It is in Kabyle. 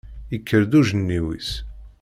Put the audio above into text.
Yekker-d ujenniw-is.